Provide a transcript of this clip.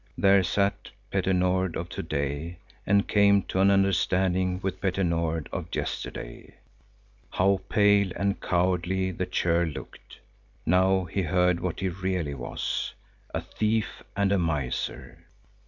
There sat Petter Nord of to day and came to an understanding with Petter Nord of yesterday. How pale and cowardly the churl looked. Now he heard what he really was. A thief and a miser.